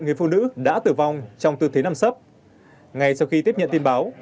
người phụ nữ đã tử vong trong tư thế nằm sấp ngay sau khi tiếp nhận tin báo